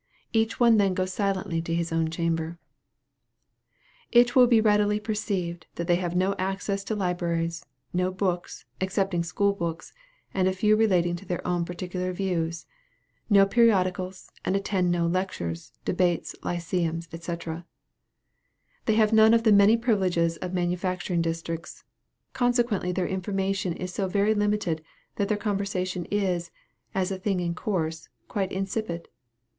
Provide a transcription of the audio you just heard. Each one then goes silently to his own chamber. It will readily be perceived, that they have no access to libraries, no books, excepting school books, and a few relating to their own particular views; no periodicals, and attend no lectures, debates, Lyceums, &c. They have none of the many privileges of manufacturing districts consequently their information is so very limited, that their conversation is, as a thing in course, quite insipid.